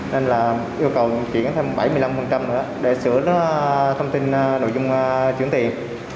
nên là yêu cầu chuyển thêm bảy mươi năm nữa để sửa nó thông tin nội dung chuyển tiền